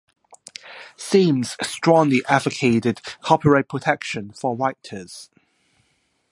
Sims strongly advocated copyright protection for writers.